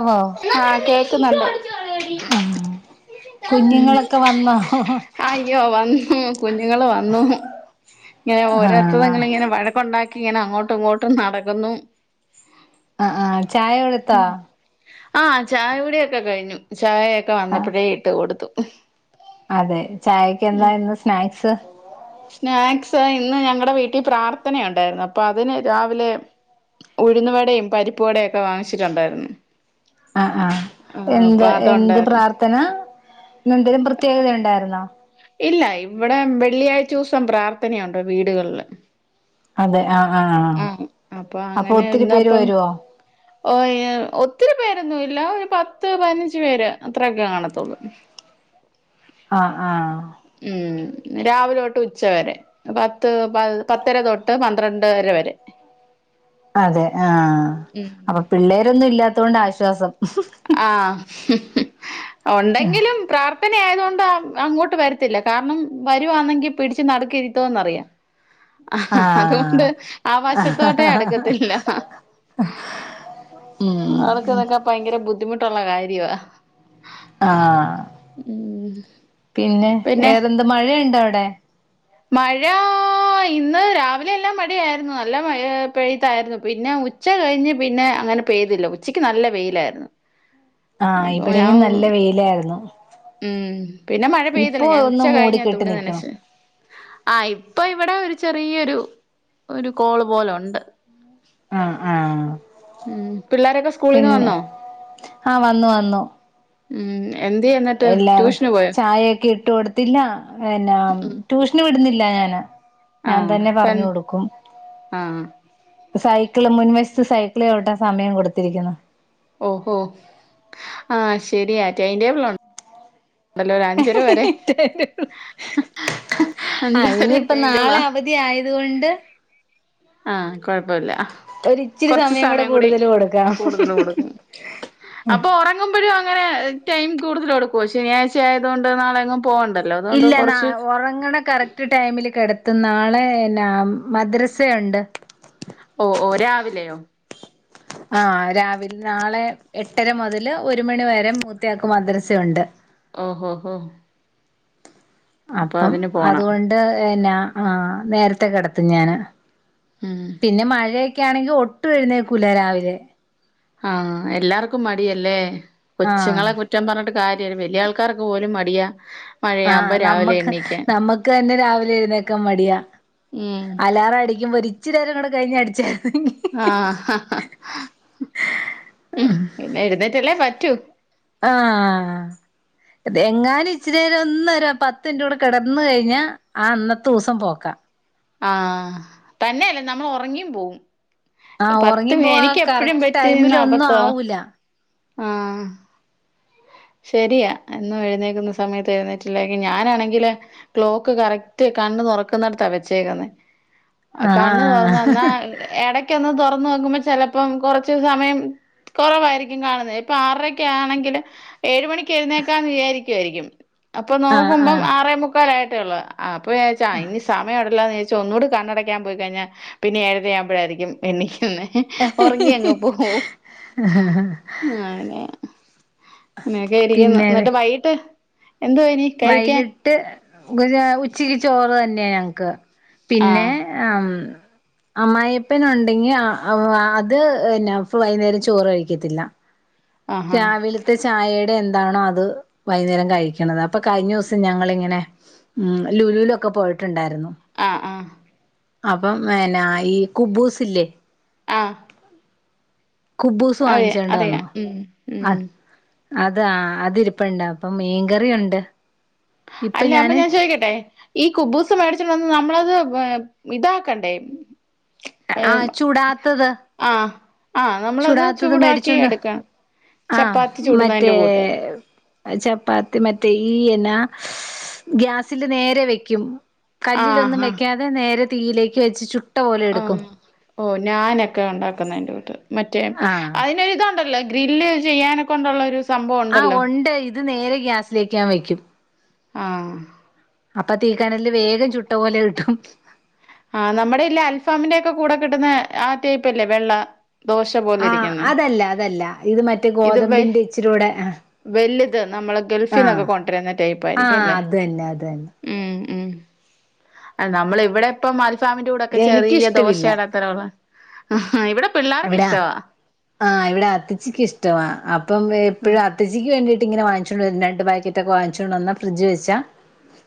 ഓ ആഹ് കേക്കുന്നൊണ്ടോ ആഹ് കുഞ്ഞുങ്ങളൊക്കെ വന്നോ യോ വന്നു കുഞ്ഞുങ്ങള് വന്നു ഇങ്ങനെ ആ ഓരോ [inaudible] ഇങ്ങനെ വഴക്കൊണ്ടാക്കി ഇങ്ങനെ അങ്ങോട്ടും ഇങ്ങോട്ടും നടക്കുന്നു ആഹ് ആഹ് ചായ കൊട് ആഹ് ചായകുടിയക്കെ കഴിഞ്ഞു ചായയൊക്കെ ആ വന്നപ്പഴേ ഇട്ട് കൊടുത്തു അതെ ചായക്ക് എന്താ ഇന്ന് സ്നാക്സ് സ്നാക്സ് ഇന്ന് ഞങ്ങടെ വീട്ടി പ്രാർത്ഥനയൊണ്ടായിര്ന്നു അപ്പ അതിന് രാവിലെ ഉഴുന്നുവടെം പരിപ്പ് വടെം ഒക്കെ വാങ്ങിച്ചിട്ടൊണ്ടായ്ര്ന്നു ആഹ് ആഹ് എന്ത് എന്ത് അതുണ്ടായിരുന്നു പ്രാർത്ഥന ഇന്ന് എന്തേലും പ്രത്യേകതയൊണ്ടായിര്ന്നോ ഇല്ല ഇവടെ വെള്ളിയാഴ്ചൂസം പ്രാർത്ഥനയൊണ്ട് വീടുകൾല് അതെ ആഹ് ആഹ് ആഹ് അപ്പൊ ഒത്തിരി പേര് വരുവോ ഓയീ ഒത്തിരി പേരൊന്നും ഇല്ല ഒരു പത്ത് പയ്നഞ്ച് പേര് അത്ര്യൊക്കെ കാണത്തൊള്ള് ആഹ് ആഹ് ഉം രാവിലൊട്ട് ഉച്ച വരെ പത്ത് പ പത്തര തൊട്ട് പന്ത്രണ്ടര വരെ അതെ ആഹ് അപ്പ പിള്ളേരൊന്നും ഇല്ലാത്തൊണ്ട് ആശ്വാസം ആഹ് ഒണ്ടെങ്കിലും പ്രാർ പ്രാർത്ഥന ആയത്കൊണ്ട് അങ്ങോട്ട് വരത്തില്ല കാരണം വരുവാണെങ്കിൽ പിടിച്ച് നടക്ക് ഇരുത്തോന്ന്റിയാം ആഹ ആ ആഹാ വശത്തോട്ടേ അടുക്കത്തില്ല. [inaudible] ആൾക്ക്തൊക്കെ ഭയങ്കര ബുദ്ധിമുട്ടുള്ള കാര്യം ആഹ പിന്നെ വേറെന്ത് മഴയുണ്ടോ അവിടെ. മഴാ ആ ഇന്ന് രാവിലെ എല്ലാം മഴ യായിരുന്നു നല്ല മഴ പൈ തായിരുന്നു പിന്നെ ഉച്ച കഴിഞ്ഞ് പിന്നെ അങ്ങനെ.. പെയ്തില്ല ഉച്ചക്ക് നല്ലവെ യിലായിരുന്നു. ആഹ ഇവിടെയും നല്ല വെയിലായിരുന്നു. ഉം പിന്ന മഴ ഇപ്പൊ പെയ്തില്ല ഞാൻ ഒന്ന് ഉച്ച കഴിഞ്ഞാ മൂടിക്കെട്ടി തുണി നിക്കണു നനച്ച ആഹ ഇപ്പൊ ഇവിടെ ഒരു ചെറിയരു.. ഒരു കോള് പോലെ ഉണ്ട്. ആ ആഹ ഉം പിള്ളേരൊക്കെ സ്കൂളിൽന്ന് പിന്നെ വന്നോ ആഹ വന്നു വന്നു. ഉം എന്ത്യ എന്നിട്ട് ട്യൂഷന് പോയോ. ആയെക്കെട്ട.. വിട്ട് കൊടുത്തില്ല പിന്ന ട്യൂഷന് വിടുന്നില്ല ഞാന്. ആ ഞാൻ തന്നെ തൻ പറഞ്ഞു കൊടുക്കും. ആ സൈക്കിള് മുൻവശത്ത് സൈക്കിള് ചവിട്ടാൻ സമയം കൊടുത്തിരിക്കുന്നു. ഓഹോ ആഹ ശരിയാ ടൈൻ ടേബിൾ ഉണ്ടോ.. ഓയ് ഹി ഹി ഹി അയിനിപ്പോ അഞ്ചാരറ്റെ അയിന്റെവളാ നാളെ അവധി. ധി ആയതുകൊണ്ട്.. ആഹ കൊഴപ്പല്ല ഒരിച്ചിരി കുറച്ച കൂടെ സമയം കൂടി കൂടുതല് കൂടുതൽ കൊടുക്കാം കൊടുക്കും. അപ്പൊ ഉറങ്ങുമ്പോഴും അങ്ങനെ ടൈം കൂടുതലും കൊടുക്കുവോ ശനിയാഴ്ച ആയതുകൊണ്ട് നാളെങ്ങുമ്പ.. പോകണ്ടല്ലോ. ഇല്ല നാ ഉറങ്ങണ കറക്.. റ്റ് ടൈമില് കിടത്തും നാളെന മദ്രസുണ്ട്. ഓ ഓ രാവിലെയോ. ട്ടി ഏർ. ആ രാവിലെ നാളെ എട്ടര മുതൽ ഒരു മണി വരെ മൂത്തയാക്കു മദ്രസ്യുണ്ട്. ഓ ഹോ ഹോ അപ്പൊ അപ്പം അതിന് പോണം അതുകൊണ്ട് ന്നാ ആഹ നേരത്തെ കിടത്തും ഞാന്. മം പിന്നെ മഴയൊക്കെ ആണെങ്കിൽ ഒട്ടു എഴുന്നേക്കൂല രാവിലെ. ആഹ എല്ലാർക്കും മടിയല്ലേ ആഹ് കൊച്ചുങ്ങളെ കു.. റ്റം പറഞ്ഞിട്ട് കാര്യ വലിയ ആൾക്കാരൊക്കെ പോലും മടിയ.. ആഹ നമ്മക്ക് നമ്മുക്ക് തന്നെ രാവിലെ എഴുന്നേക്കൻ മടിയാ. ഉം അലാറ അടിക്ക്പോ ഇച്ചിരരം കൂടെ കഴിഞ്ഞഞ് അടിച്ചർന്നെങ്കി.. ആ ഹാ ഹാ ഉം പിന്നെ എഴുന്നേറ്റല്ലേ പറ്റൂ. ആഹ എങ്ങാനും ഇച്ചിരെ ഒന്നരു പത്ത് മിൻട്ടൂടെ കിടന്നഴിഞ്ഞാ ആ അന്നത്തെ ദിവസം പോക്കാം. ആഹ തന്നെയ അല്ലേ നമ്മൾ ഉറങ്ങിയും പോവും. ആഹ് പത്ത് ഉറങ്ങിപ്പോ ആ എനിക്ക് എപ്പഴും കറക്റ്റ് പറ്റിന്ന ടൈമില് ഒന്നും അബദ്ധആഹ. ആവൂല ശരിയാ എന്നും എഴുന്നേക്കുന്ന സമയത്ത് എഴുന്നേറ്റില്ല ഞാനാണെങ്കില്. Clock correct കണ്ണുതു റക്കുന്നടുത്താ വെച്ചേക്കന്ന്. കണ് ആഹ് തുറന്ന്ന്നാ ആഹ് ഇടക്ക ഒന്ന് തുറന്ന് വെക്കുമ്പോ ചെിലപ്പോം കൊറച്ച് സമയം.. കുറവായിരിക്കും കാണുന്നത് ഇപ്പൊ ആറൊക്കെ ആണെങ്കില്.. ഏഴ് മണിക്ക് എഴുന്നേക്കാന്ന് വിചാരിക്കുായിരിക്കും അപ്പൊ ആഹ് നോക്കുമ്പം ആഹ് ആറേ മുുക്കാല ആയിട്ടേ ഉള്ളത്.. ആ അപ്പവിചാരിച്ചഇനി സമയംവിട.. ന്ന് ചോദച്ചൽ ഒന്നൂ കണ്ണടക്കാൻ പോയി കഴിഞ്ഞാ പിന്നെ ഏഴര ആകുമ്പഴായിരിക്കും എനിക്കന്ന്. ഉറങ്ങി അങ്ങ പോവും അങ്ങനെയ. ഇങ്ങനെയൊക്കെ ഇരിക്കും പിന്നെ എന്നിട്ട് വൈകട്ട് എന്തുനി. വൈകിട്ട് ഉച്ചക്ക് ചോറ് തന്നെയ ഞങ്ങക്ക് പിന്നെ.. ആഹ് ആം അമ്മായിപ്പനുണ്ടെങ്കി അ അവ് അത് പിന്ന ഫു വയ്യ്ന്നേരം ചോറ് കഴിക്കത്തില്ല ആഹാ രാവില് ത്തെ ചായയുടെ എന്താണോ അത് വയ്യ്ന്നേരം കഴിക്കണത്. അപ്പൊ കഴിഞ്ഞ ദിവസം ഞങ്ങളിങ്ങനെ ഉം ലുലൂലൊക്ക പോയിട്ടൊണ്ടാരുന്നു ആഹ് ആഹ് അപ്പം അ പിന്നാ ഈ കുബ്ബൂസ്സ് ഇല്ലേ ആഹ് കുബ്ബൂസ് അറിയാം വാങ്ങിച്ചോണ്ട് വന് അറിയാം ഉം അ ഉം അത് അതിരിപ്പണ്ട് അപ്പം മീൻകറി ഒണ്ട് അല്ല അപ്പൊ ഞാൻ ചോദിക്കട്ടെ ഈ കുബ്ബൂസ് മേടിച്ചോണ്ട് വന്ന് നമ്മളത് ബേ ഇതാക്കണ്ടേ ആഹ ഏഹ് ചുടാത്തത് ആഹ് ആഹ് നമ്മളത് ചുടാത്തത് ചൂടാക്കി മേടിച്ചോണ്ട് എടുക്കണം ആ ചപ്പാത്തി മറ്റേ ചുടുന്നതിൻ്റെ കൂട്ട് ചപ്പാത്തി മറ്റേ ഈ എന്നാ ഗ്യാസില് നേരെ വെക്കും കല്ലിലൊന്നും ആഹ് ആഹ് വെക്കാതെ നേരെ തീയിലേക്ക് വെച്ച് ചു ആഹ് ഓ നാനൊക്കെ ഒണ്ടാക്കന്ന അയ്ന്റെ കൂട്ട് മറ്റേ ആഹ് അതിനൊത്ണ്ടല്ലോ ഗ്രില്ല് ചെയ്യാന കൊണ്ടൊ ള്ളൊരു ആഹ് ഒണ്ട് ഇത് നേരെ ഗ്യാസിലേക്ക് ഞാൻ വെക്കും ആഹ് അപ്പൊ തീക്കനലില് വേഗം ചുട്ട പോലെ കിട്ടും ആഹ് നമ്മടെ ഇല്ല അൽഫാമിന്റെ ഒക്കെ കൂടെ കിട്ടുന്ന ആ ടൈപ്പല്ലേ വെള്ള ദോശപോ ആഹ് അതല്ല അതല്ല ഇത് മറ്റേ ഇത് വെ ഗോതമ്പിന്റെ ഇച്ചിരൂടെ വലുത് നമ്മള് ആഹ് ഗൾഫീന്നൊക്കെ കൊണ്ടരുന്ന ടൈപ്പായിരിക്കും ആഹ് അല്ലേ അത് തന്നെ അത് തന്നെ ഉം ഉം അത് നമ്മള് ഇവടെ ഇപ്പം അൽഫാമിന്റെ കൂടൊക്കെ ചെറിയ എനിക്കിഷ്ടമില്ല ദോശേടത് തരാ ഒള്ളെ ഇവിടെ പിള്ളാർക്ക് എവിടാ ഇഷ്ടവാ ആഹ് ഇവിടെ അത്തച്ചിക്ക് ഇഷ്ടവാ അപ്പം എപ്പഴും അത് അത്ത്ജിക്ക് വേണ്ടീട്ട് ഇങ്ങനെ വാച്ചോണ്ട് വരും രണ്ട് പാക്കറ്റൊക്കെ വാച്ചോണ്ട് വന്ന് ഫ്രിഡ്ജി വച്ചാ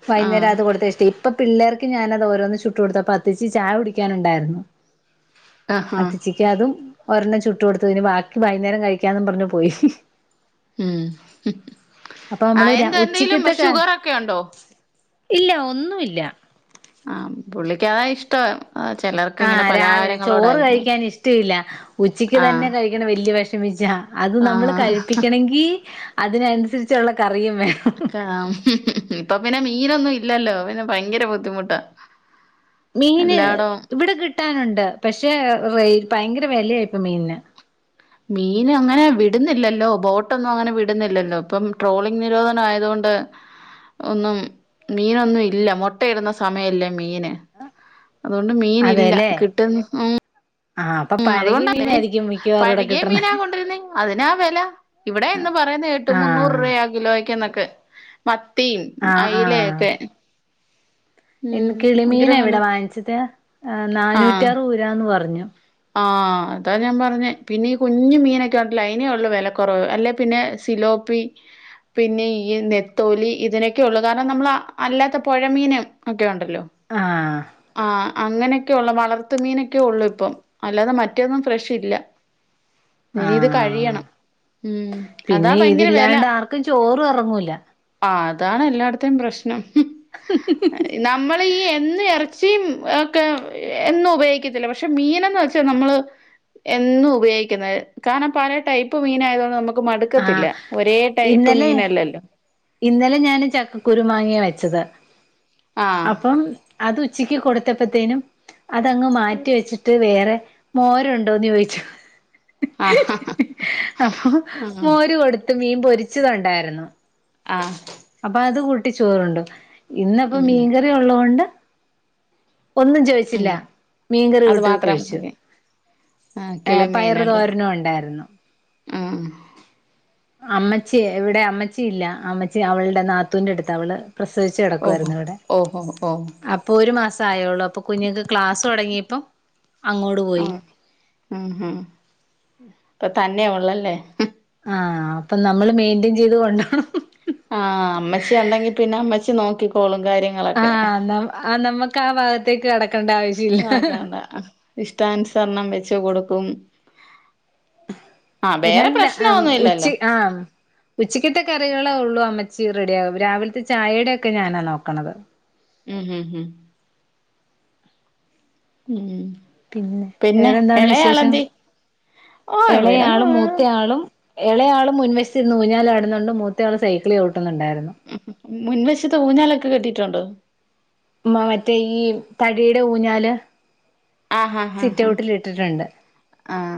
വയ്യ്ന്നേരം ആഹ് അത് കൊടുത്ത് ഇഷ്ടെയ്യും ഇപ്പ പിള്ളേർക്ക് ഞാനത് ഓരോന്ന് ചുട്ടു കൊടുത്തപ്പ അത്തിച്ചി ചായ കുടിക്കാനുണ്ടാരുന്നു ആഹ് ആഹ് അത്ത്ച്ചിക്ക് അതും ഒരെണ്ണം ചുട്ടു കൊടുത്തു ഇനി ബാക്കി വയ്യ്ന്നേരം കഴിക്കാന്നും പറഞ്ഞു പോയി ഉം അപ്പൊ ആ നമ്മള് ര എന്ത് എന്തെങ്കിലും ഉച്ചക്കത്തെക്കെ ഷുഗറക്കെ ഒണ്ടോ ഇല്ല ഒന്നു ഇല്ല ആഹ പുള്ളിക്കതാ ഇഷ്ടം ചിലർക്ക് ഇങ്ങനെ ആഹ് രാവിലെ ചോറ് പലഹാരങ്ങളോടായിരിക്കും കഴിക്കാൻ ഇഷ്ട ഇല്ല. ഉച്ചക്ക് തന്നെ ആഹ് കഴി ക്കണ വല്യ വെഷമിച്ചാ അത് നമ്മള് ആഹ് കഴിപ്പിക്കണെങ്കീ അതിനനുസരിച്ചൊള്ള കറിയും വേണം ക്കാം ഇപ്പ പിന്നെ മീനൊന്നും ഇല്ലല്ലോ പിന്നെ ഭയങ്കര ബുദ്ധിമുട്ടാ മീന് എല്ലാടോം ഇവിടെ കിട്ടാനൊണ്ട് പക്ഷെ റേ ഭയങ്കര വെലയാ ഇപ്പം മീനിന് മീന് അങ്ങനെ വിടുന്നില്ലല്ലോ ബോട്ടൊന്നും അങ്ങനെ വിടുന്നില്ലല്ലോ ഇപ്പം ട്രോളിങ് നിരോധനം ആയതോണ്ട് ഒന്നും മീനൊന്നും ഇല്ല മൊട്ടയിടുന്ന സമയല്ലേ മീന് അതോണ്ട് മീൻ ഇല്ല അതെല്ലേ കിട്ട്ൻ ഉം ആഹ് അപ്പ പ പഴകിയ അതുകൊണ്ടല്ലേ മീൻ മീനായിരിക്കും മിക്കവാറും ഇവിടെ പഴകിയ കിട്ടണേ മീനാ കൊണ്ടരു ന്നേ അതിനാ വെല ഇവടെ ഇന്ന് പറയുന്ന കേട്ടു മുന്നൂറ് ആഹ് രൂവയാ കിലോയ്ക്ക്ന്നൊക്കെ മത്തി ആഹ് ആഹ് അയ്ലയൊക്കെ ഇന്ന് ഭയങ്കര കിളിമീനാ ഇവിടെ വെല വാങ്ങിച്ചത്. ആ ആഹ് നാന്നൂറ്റാറ് ഊരാന്ന് പറ്ഞ്ഞു ആഹ് അതാ ഞാൻ പറഞ്ഞേ പിന്നെ ഈ കുഞ്ഞ് മീനക്കെ ഒണ്ടല്ലോ അയ്നേ ഒള്ളൂ വെലക്കൊറവ് അല്ലെ പിന്നെ സിലോ പി പിന്നെ ഈ നെത്തോലി ഇതിനൊക്കെ ഒള്ളു കാരണം നമ്മൾ അല്ലാത്ത പുഴമീന് ഒക്കെ ഉണ്ടല്ലോ ആഹ് ആഹ് അങ്ങനെയൊക്കെ ഉള്ള വളർത്ത് മീനൊക്കെ ഒള്ളു ഇപ്പം അല്ലാതെ മറ്റേന്നും ഫ്രഷ് ഇല്ല ഇനി ഇത് ആഹ് കഴിയണം ഉം അതാ പിന്നെ ഭയങ്കര വെല ഇതില്ലാണ്ട് ആർക്കും ചോറും ഇറങ്ങൂല ആഹ് അതാണ് എല്ലായിടത്തേ പ്രശ്നം ഹും ഹും ഹും നമ്മള് ഈ എന്നും ഇറച്ചിയും ഒക്കെ എന്നും ഉപയോഗിക്കത്തില്ല പക്ഷെ മീനന്ന് വ ച്ചാ നമ്മള് എന്നും ഉപയോഗിക്കനത് കാരണം പല ടൈപ്പ് മീനായതോണ്ട് നമ്മ ക്ക് മടുക്കത്തില്ല ആഹ് ഒരേ ടൈപ്പ് ഇന്നലെ മീനല്ലല്ലോ ഇന്നലെ ഞാന് ചക്കക്കുരു മാങ്ങിയാ വെച്ചത് ആഹ് അപ്പം അത് ഉച്ചക്ക് കൊടുത്തപ്പോത്തേനും അതങ്ങ് മാറ്റി വെച്ചിട്ട് വേറെ മോര് ഉണ്ടോന്ന് ചോയിച്ചു ആഹ് അപ്പൊ ഉം ക്ക് കൊടുത്ത് മീൻ പൊരിച്ചതുണ്ടായിരുന്നു ആഹ് അപ്പൊ അത് കൂട്ടി ചോറ് ണ്ടു ഇന്ന് പ്പം ഉം മീൻക റി ഉള്ളകൊണ്ട് ഒന്നും ചോയ് ച്ചില്ല ഉം അത് മീൻകറിട്ട് മാത്രം കൊഴിച്ചു മതി ആഹ് ഏഹ് പയർ കിളിമീനല്ലേ തോരനും ഉണ്ടായിരുന്നു ആഹ് അഹ് അമ്മച്ചി ഇവിടെ അമ്മച്ചി ഇല്ല അമ്മച്ചി അവളുടെ നാത്തൂന്റെ അടുത്ത് അവള് പ്രസവിച്ചു ഓഹോ കിടക്കുയിരുന്നു ഇവിടെ ഓഹോ ഓഹ് അ പ്പൊര് മാസം ആയുള്ളൂ അപ്പൊ കുഞ്ഞുക്ക് ക്ലാസ്സ് തുടങ്ങിയപ്പം അങ്ങോട്ട് പോയി ആഹ് ഉം ഹും ഇപ്പൊ തന്നെയ ഉള്ളല്ലേ ആഹ് അപ്പൊ നമ്മള് മെയ്ന്റൻ ചെയിത് കൊണ്ടോണം ആഹ് അമ്മച്ചി ഉണ്ടെങ്കി പിന്നെ അമ്മച്ചി നോക്കിക്കോളും കാര്യങ്ങ ആഹ് ന്നാ നമ്മക്ക് ആ ഭാഗത്തേക്ക് കടക്കണ്ട ആ വിശ്യം നോക്കണ്ട ഇഷ്ടാനുസരണം വെച്ച് കൊടുക്കും ആഹ് വേറെ എന്നളുംന്താ ആഹ് പ്രശ്നൊന്നും ഇല്ലല്ലോ ഉച്ച ആഹ് ഉച്ചിക്കത്തെ കറികളേ ഒള്ളൂ അമ്മച്ചി റെഡിയാ രാവിലത്തെ ചായയുടെക്കെ ഞാനാ നോക്ക്ണത് മ് ഹ് ഹ് ഉം പിന്നെ വേറെന്താണ് വിശേഷം ഓഹ് ഇവിടെ ഇളയയാള് മൂ ത്തയാളും ഇളയാളും മുൻവശ്ത്ത് ര്ന്ന് ഊഞ്ഞാലാടുന്നുണ്ട് മൂത്തയാൾ സൈക്കിള് ചൗണ്ടുന്നുണ്ടായിരുന്നു ഉം മുൻവശത്ത് ഊഞ്ഞാലൊക്കെ കെട്ടിയിട്ടുണ്ടോ മ് മറ്റേ ഈ തടിയുടെ ഊഞ്ഞാല് ആഹ് ഹഹ സിറ്റ് ഔട്ടിൽ ഇട്ടിട്ടുണ്ട് ഹആഹ്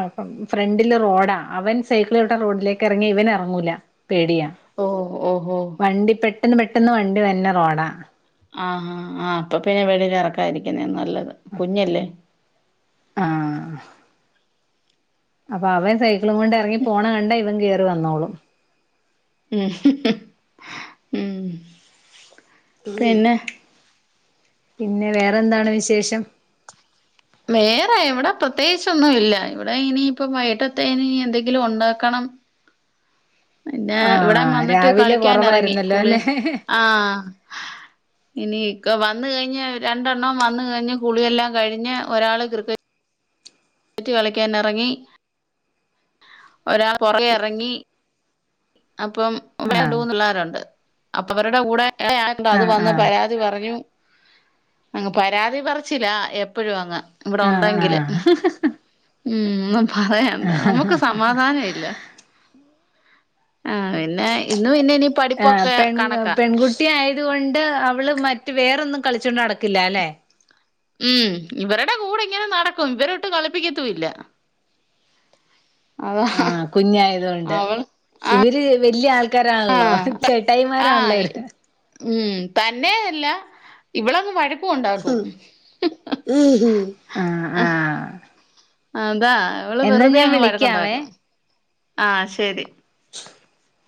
ആപ്പം ഫ്രണ്ടില് റോഡാ അവൻ സൈക്കിൾ ചൗട്ടാൻ റോഡിലേക്ക് ഇറങ്ങി ഇവൻ ഇറങ്ങൂല പേടിയാ ഓ ഓ ഹോ വണ്ടി പെട്ടെന്ന് പെട്ടെന്ന് വണ്ടി വര്ണ റോഡാ ആഹ് ആഹ് ആഹ് അപ്പൊ പിന്നെ വെളിയിൽ ഇറക്കായിരിക്കുന്നേ നല്ലത് കുഞ്ഞല്ലേ ആഹ് അപ്പ അവൻ സൈ ക്കിളും കൊണ്ട് ഇറങ്ങി പോണ കണ്ട ഇവൻ കേറി വന്നോളും മ് പിന്നെ വേറെന്താണ് വിശേഷം വേറെ ഇവിടെ പ്രത്യേകിച്ച് ഒന്നും ഇല്ല, ഇവിടെ ഇനി ഇപ്പ വൈകട്ടത്തെ ഇനി എന്തെങ്കിലും ഉണ്ടാക്കണം പിന്നെ ഇവിടെ ആഹ് വന്നിട്ട് രാവിലെ കളിക്കൻ ഇറങ്ങി കുറവായിരുന്നല്ലോ കുളി അല്ലെ ആഹ് ഇനി ഇക്ക വന്ന കഴിഞ്ഞ രണ്ടെണ്ണം വന്ന് കഴിഞ്ഞ് കുളിയെല്ലാം കഴിഞ്ഞ് ഒരാള് ക്രിക്കറ്റ് ക്രിക്കറ്റ് കളിക്കൻ ഇറങ്ങി ഒരാൾ പുറകെ ഇറങ്ങി അപ്പം [unintelligible] ആഹ് രണ്ടുമൂന്ന് പിള്ളേര്ണ്ട്, അപ്പ അവരുടെ കൂടെ ആയോണ്ട് അത് ആഹ് വന്ന പ ആഹ് [unintelligible] തി പറഞ്ഞു, അങ്ങ് പരാതി പറച്ചില എപ്പഴും അങ്ങ് ഇവിടെ ആഹ് ഉണ്ടെങ്കില് ആഹ് ഉ ഉം പറയണ്ട നമുക്ക് സമാധാനം ഇല്ല ആ പിന്നെ ഇന്ന് പിന്നെ ഇനി ആ പഠിപ്പൊക്കെ പെൺ കണക്കാ പെൺകുട്ടി ആയതു കൊണ്ട് അവള് മറ്റ് വേറൊന്നും കളിച്ചോണ്ട് നടക്കില്ല ലെ? ഉം ഇവരുടെ കൂടെ ഇങ്ങനെ നടക്കും, ഇവരൊട്ടും കളിപ്പിക്കത്തുംല്ല ആഹ്, കുഞ്ഞായതൊണ്ട് അവൾ ഇവര് വല്യ ആൾക്കാരാണല്ലോ, ആഹ് ആഹ് ചേട്ടായിമാരാണല്ലോര് ഉം തന്നെയല്ല ഇവളങ്ങ് വഴ ക്കു ഉണ്ടാക്കും. ഉം ഹും ആഹ് ആഹ് അതാ ഇവള് എന്നാ വെറുതെ ഞാൻ അങ്ങ് വിളിക്കാവേ വഴക്കുണ്ടാക്കും ആഹ് ശരി ശരി